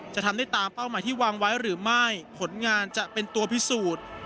จะทำได้ตามเป้าหมายที่วางไว้หรือไม่ผลงานจะเป็นตัวพิสูจน์